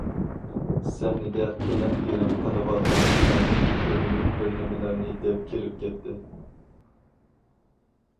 سەھنىدە قېنىق گىرىم قىلىۋالغان ئېلانچى كۆرۈنۈپ بىرنېمىلەرنى دەپ كىرىپ كەتتى.